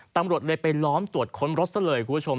ตำรวจเลยไปล้อมตรวจค้นรถซะเลยคุณผู้ชม